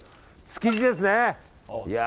築地ですね。